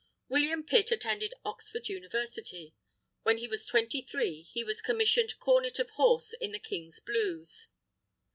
William Pitt attended Oxford University. When he was twenty three, he was commissioned Cornet of Horse in the King's Blues.